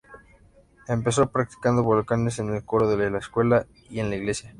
Empezó practicando vocales en el coro de la escuela y en la iglesia.